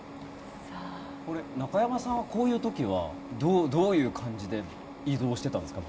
中山さんはこういう時はどういう感じで移動していたんですか？